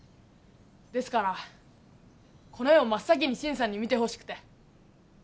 ですからこの絵を真っ先に新さんに見てほしくて。